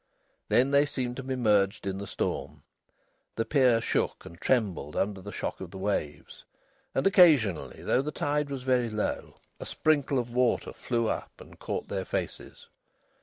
Then they seemed to be merged in the storm. The pier shook and trembled under the shock of the waves, and occasionally, though the tide was very low, a sprinkle of water flew up and caught their faces.